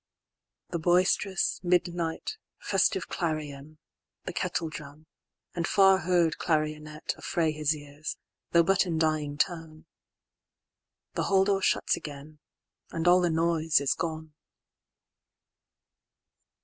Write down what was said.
The boisterous, midnight, festive clarion, The kettle drum, and far heard clarionet, Affray his ears, though but in dying tone:—The hall door shuts again, and all the noise is gone.